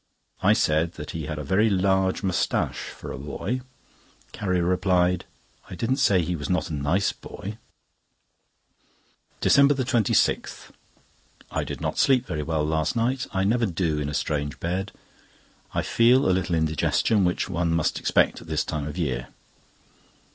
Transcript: I said that he had a very large moustache for a boy. Carrie replied: "I didn't say he was not a nice boy." DECEMBER 26.—I did not sleep very well last night; I never do in a strange bed. I feel a little indigestion, which one must expect at this time of the year.